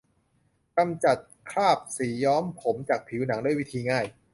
กำจัดคราบสีย้อมผมจากผิวหนังด้วยวิธีง่าย